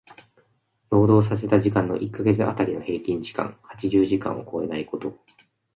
労働させた時間の一箇月当たりの平均時間八十時間を超えないこと。